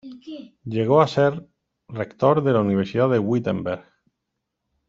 Llegó a ser rector de la Universidad de Wittenberg.